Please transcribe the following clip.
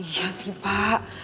iya sih pak